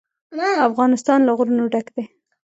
افغانستان له غرونه ډک دی.